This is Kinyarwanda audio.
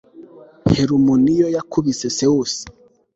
Heruminiyo yakubise Seius